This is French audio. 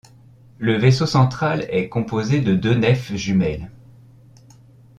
Le vaisseau central est composé de deux nefs jumelles.